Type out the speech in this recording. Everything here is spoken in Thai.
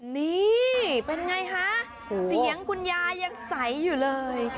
นี่เป็นไงคะเสียงคุณยายยังใสอยู่เลย